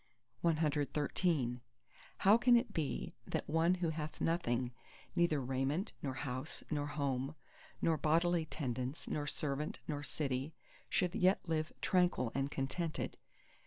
CXIV How can it be that one who hath nothing, neither raiment, nor house, nor home, nor bodily tendance, nor servant, nor city, should yet live tranquil and contented?